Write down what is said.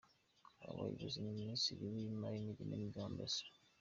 Abo bayobozi ni Minisitiri w’ imari n’ igenamigambi Amb.